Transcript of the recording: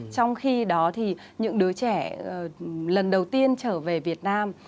trong khi đó thì những đứa trẻ lần đầu tiên trở về việt nam